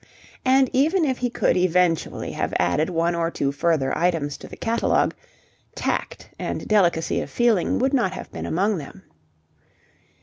And, even if he could eventually have added one or two further items to the catalogue, tact and delicacy of feeling would not have been among them.